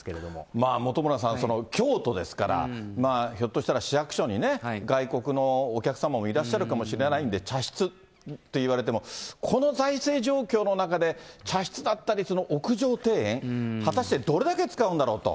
まあ本村さん、京都ですから、ひょっとしたら市役所にね、外国のお客様もいらっしゃるかもしれないんで、茶室といわれても、この財政状況の中で、茶室だったり、屋上庭園、果たしてどれだけ使うんだろうと。